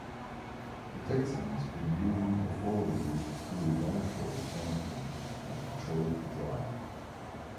The Texans would lose the following week to the eventual champion, the Detroit Drive.